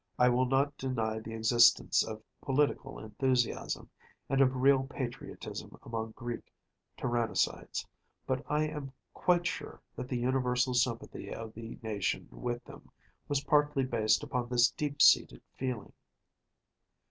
I will not deny the existence of political enthusiasm, and of real patriotism among Greek tyrannicides, but I am quite sure that the universal sympathy of the nation with them was partly based upon this deep seated feeling.